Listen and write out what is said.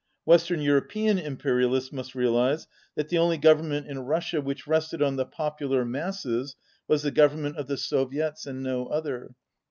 Western European imperialists must realize that the only Government in Russia which rested on 60 the popular masses was the Government of the Soviets and no other.